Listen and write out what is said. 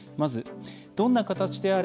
どんな形であれ